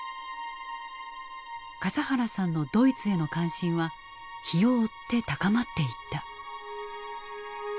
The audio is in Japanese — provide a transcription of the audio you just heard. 笠原さんのドイツへの関心は日を追って高まっていった。